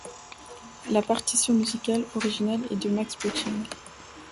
La partition musicale originale est de Max Butting.